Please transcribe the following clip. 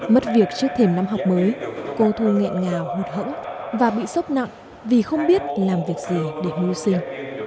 mất việc trước thềm năm học mới cô thu nghẹn ngào hụt hẫng và bị sốc nặng vì không biết làm việc gì để mưu sinh